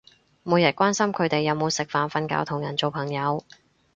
每日關心佢哋有冇食飯瞓覺同人做朋友